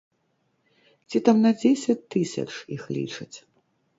Ці там на дзесяць тысяч іх лічаць.